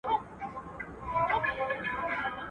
هغه آش، هغه کاسه.